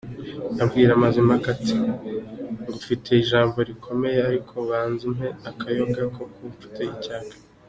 Abwira Mazimpaka, ati “Ngufitiye ijambo rikomeye ariko banza umpe akayoga kuko mfite inyota”.